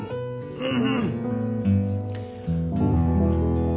うん。